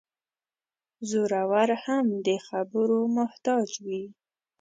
زورور هم د خبرو محتاج وي.